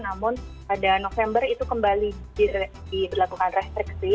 namun pada november itu kembali di berlakukan restriksi